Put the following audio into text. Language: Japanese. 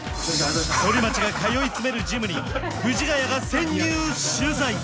反町が通い詰めるジムに藤ヶ谷が潜入取材！